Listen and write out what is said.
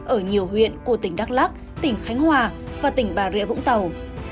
ở nhiều huyện của tỉnh đắk lắc tỉnh khánh hòa và tỉnh bà rịa vũng tàu